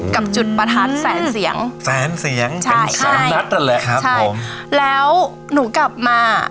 กับจุดประทัดแสนเสียงแสนเสียงใช่ใช่ครับผมแล้วหนูกลับมา